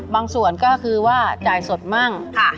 บางส่วนก็คือเจายงงง